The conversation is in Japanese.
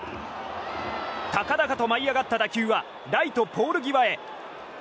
高々と舞い上がった打球はライトポール際へ。